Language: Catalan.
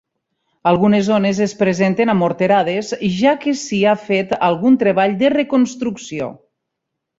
Algunes zones es presenten amorterades, ja que s'hi ha fet algun treball de reconstrucció.